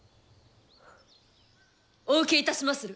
お受けいたしまする。